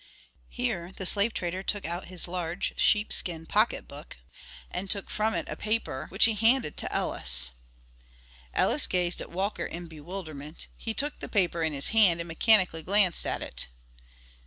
Here the slave trader took out his large sheepskin pocketbook, and took from it a paper which he handed to Ellis. Ellis gazed at Walker in bewilderment; he took the paper in his hand and mechanically glanced at it.